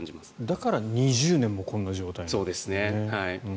だから２０年もこんな状態なんですね。